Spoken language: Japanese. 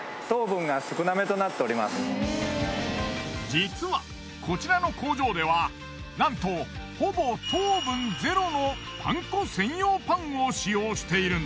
実はこちらの工場ではなんとほぼ糖分０のパン粉専用パンを使用しているんです。